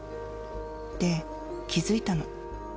で気付いたの。